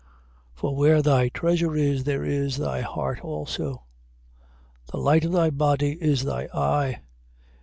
6:21. For where thy treasure is, there is thy heart also. 6:22. The light of thy body is thy eye.